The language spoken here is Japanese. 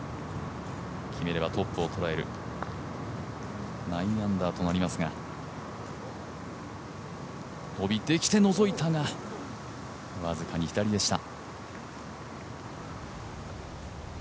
決めればトップを捉える９アンダーとなりますが降りてきてのぞいたが僅かに左でした。